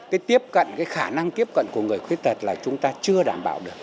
cái tiếp cận cái khả năng tiếp cận của người khuyết tật là chúng ta chưa đảm bảo được